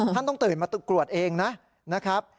ท่านต้องตื่นมากรวดเองนะ